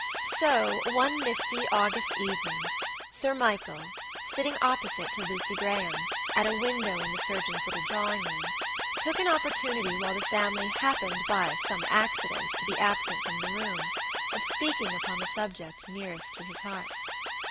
So, one misty August evening, Sir Michael, sitting opposite to Lucy Graham, at a window in the surgeon's little drawing room, took an opportunity while the family happened by some accident to be absent from the room, of speaking upon the subject nearest to his heart.